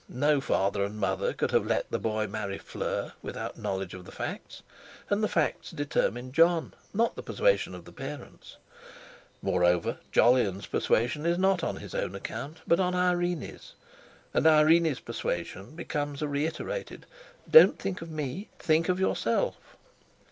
No father and mother could have let the boy marry Fleur without knowledge of the facts; and the facts determine Jon, not the persuasion of his parents. Moreover, Jolyon's persuasion is not on his own account, but on Irene's, and Irene's persuasion becomes a reiterated: "Don't think of me, think of yourself!"